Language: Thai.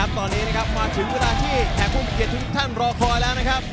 ตอนนี้นะครับมาถึงเวลาที่แขกผู้มีเกียรติทุกท่านรอคอยแล้วนะครับ